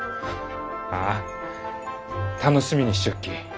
ああ楽しみにしちょっき。